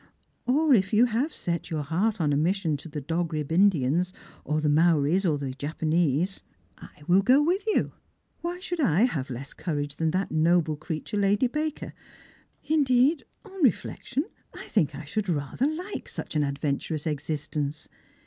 " Or if you have set your heart on a mission to the Dog nb Indians, or the Maoris, or the Japanese, I will go with you. Why should I have less courage than that noble creature. Lady Baker? Indeed, on reflection, I think I should rather like such an adventurous existence.